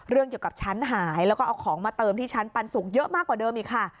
เรื่องเกี่ยวกับชั้นหายแล้วก็เอาของมาเติมที่ชั้นปันสุกเยอะมากกว่าเดิมอีกค่ะ